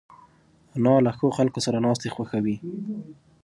انا له ښو خلکو سره ناستې خوښوي